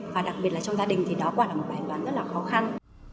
và đặc biệt là trong gia đình thì đó quả là một bài toán rất là khó khăn